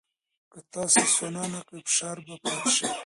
که تاسو سونا نه کوئ، فشار به پاتې شي.